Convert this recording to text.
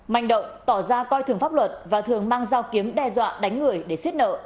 mạnh động tỏ ra coi thường pháp luật và thường mang giao kiếm đe dọa đánh người để xếp nợ